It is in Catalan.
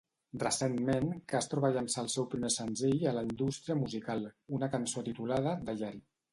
Recentment, Castro va llançar el seu primer senzill a la indústria musical, una cançó titulada "Diary.